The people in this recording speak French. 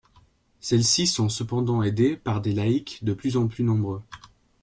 Celles-ci sont cependant aidées par des laïcs de plus en plus nombreux.